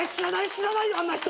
知らないよあんな人。